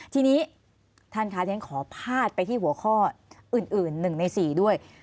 ทีนี้ท่านค่ะฉันขอพาดไปที่หัวข้ออื่น๑ใน๔ด้วย